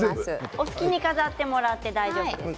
お好きに飾っていただいて大丈夫です。